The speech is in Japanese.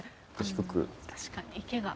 確かに池が。